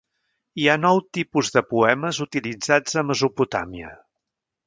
Hi ha nou tipus de poemes utilitzats a Mesopotàmia.